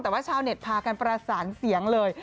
แต่ว่าชาวเน็ตพากันประสานเสียงเลย